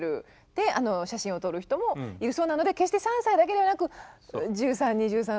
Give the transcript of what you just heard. で写真を撮る人もいるそうなので決して３歳だけではなく１３２３。